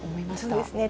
そうですね。